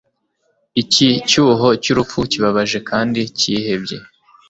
iki cyuho cyurupfu, kibabaje kandi cyihebye